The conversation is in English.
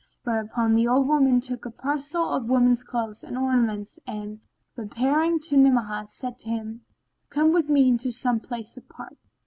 Whereupon the old woman took a parcel of women's clothes and ornaments and, repairing to Ni'amah, said to him, "Come with me into some place apart."